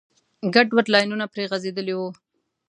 ګډوډ لاینونه پرې غځېدلي وو.